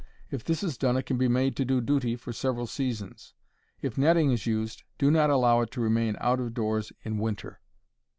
If this is done, it can be made to do duty for several seasons. If netting is used, do not allow it to remain out of doors in winter.